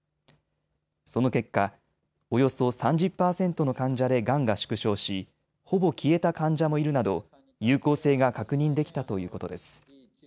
その結果、およそ３０％の患者でがんが縮小しほぼ消えた患者もいるなど有効性が確認できたということです。